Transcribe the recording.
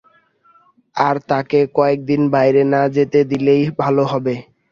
আর তাকে কয়েকদিন বাইরে না যেতে দিলেই ভালো হবে।